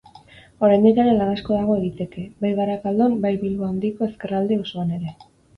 Oraindik ere lan asko dago egiteke, bai Barakaldon bai Bilbo Handiko Ezkerralde osoan ere.